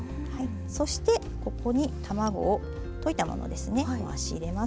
そしてここに卵を溶いたものですね回し入れます。